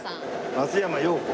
松山容子。